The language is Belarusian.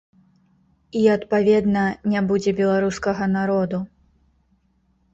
І, адпаведна, не будзе беларускага народу.